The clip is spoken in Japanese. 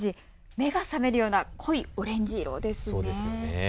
目が覚めるような濃いオレンジ色ですね。